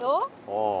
ああ。